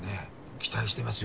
期待してますよ